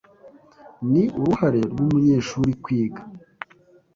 Ni uruhare rwumunyeshuri kwiga.